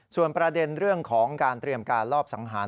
ส่วนประเด็นเรื่องของการเตรียมการลอบสังหาร